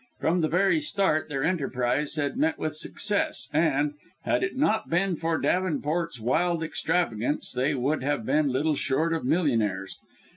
From the very start their enterprise had met with success, and, had it not been for Davenport's wild extravagance, they would have been little short of millionaires.